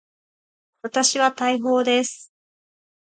私は大砲です。